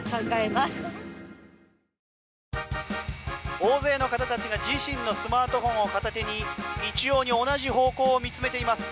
大勢の方たちが自身のスマートフォンを片手に一様に同じ方向を見つめています。